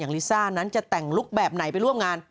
ลิซ่านั้นจะแต่งลุคแบบไหนไปร่วมงาน